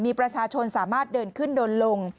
มีประชาชนสามารถเดินขึ้นเดินลง